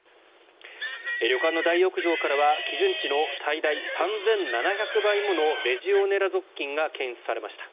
旅館の大浴場からは基準値の最大３７００倍ものレジオネラ属菌が検出されました。